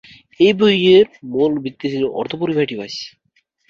এই বইয়ের মূল ভিত্তি ছিলো অর্ধপরিবাহী ডিভাইস।